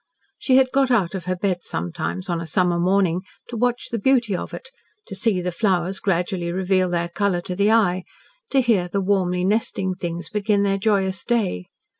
She had got out of her bed sometimes on a summer morning to watch the beauty of it, to see the flowers gradually reveal their colour to the eye, to hear the warmly nesting things begin their joyous day.